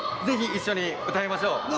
是非一緒に歌いましょう。